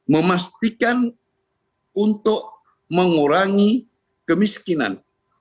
memastikan untuk mengurangi kemiskinan